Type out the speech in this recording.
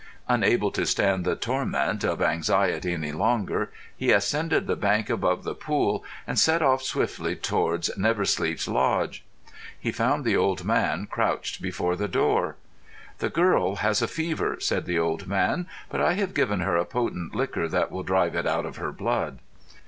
Unable to stand the torment of anxiety any longer, he ascended the bank above the pool, and set off swiftly towards Never Sleep's lodge. He found the old man crouched before the door. "The girl has a fever," said the old man. "But I have given her a potent liquor that will drive it out of her blood."